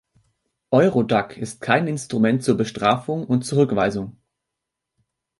Eurodac ist kein Instrument zur Bestrafung und Zurückweisung.